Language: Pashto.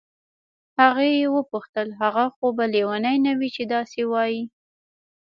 هغې وپوښتل هغه خو به لیونی نه وي چې داسې وایي.